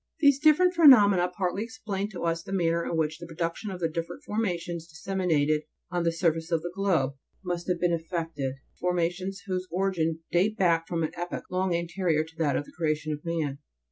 These different phenomena partly explain to us the manner in which the production of the different formations disseminated on the surface of the globe, must have been effected, formations whose origin date back from an epoch long anterior to that of the creation of man.